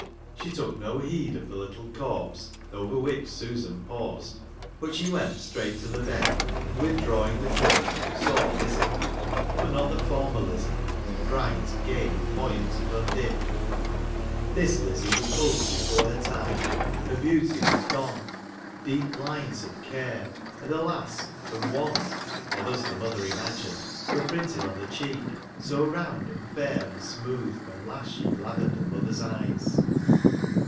She took no heed of the little corpse, over which Susan paused, but she went straight to the bed, and withdrawing the curtain, saw Lizzie, — but not the former Lizzie, bright, gay, buoyant, and undimrued. This Lizzie was old before her tune ; her beauty was gone ; deep lines of care, and alas ! of want (or thus the mother imagined) were printed on the cheek, so round, and fair, and smooth, when last she gladdened her mother's eyes.